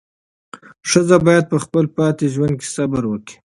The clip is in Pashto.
ښځه باید په خپل پاتې ژوند کې صبر وکړي.